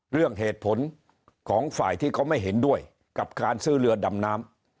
เรื่องเหตุผลของฝ่ายที่เขาไม่เห็นด้วยกับการซื้อเรือดำน้ำ